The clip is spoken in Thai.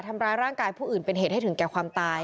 ทำร้ายร่างกายผู้อื่นเป็นเหตุให้ถึงแก่ความตาย